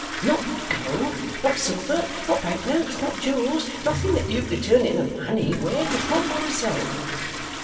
'Not gold, not silver, not bank notes, not jewels, nothing that you could turn into money, Wegg; upon my soul!